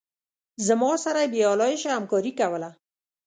زما سره یې بې آلایشه همکاري کوله.